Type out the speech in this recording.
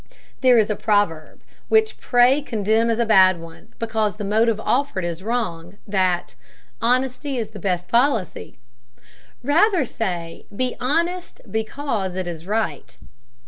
There is a proverb which pray condemn as a bad one, because the motive offered is wrong that "honesty is the best policy." Rather say, "Be honest because it is right."